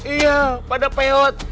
iya pada peot